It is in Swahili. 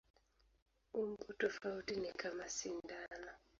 Umbo tofauti ni kama sindano.